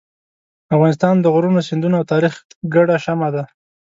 افغانستان د غرونو، سیندونو او تاریخ ګډه شمع ده.